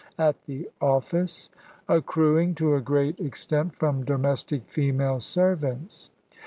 at the office; accruing to a great extent from domestic female servants.